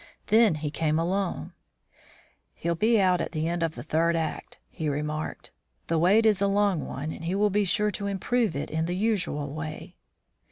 Then he came alone. "He'll be out at the end of the third act," he remarked. "The wait is a long one and he will be sure to improve it in the usual way."